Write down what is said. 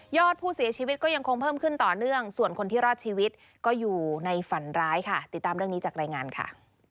อดผู้เสียชีวิตก็ยังคงเพิ่มขึ้นต่อเนื่องส่วนคนที่รอดชีวิตก็อยู่ในฝันร้ายค่ะติดตามเรื่องนี้จากรายงานค่ะ